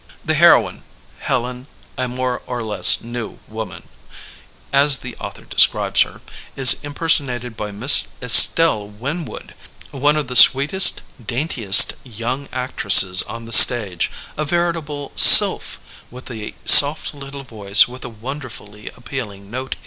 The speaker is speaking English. The heroine ''Helen, a more or less new woman," as the author describes her, is impersonated by Miss Estelle Winwood, one of the sweetest, daintiest young actresses on the stage, a veritable sylph, with a soft little voice with a wonderfully appealing note 92 CHARACTERIZATION vs.